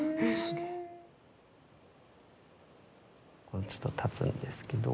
これちょっと立つんですけど。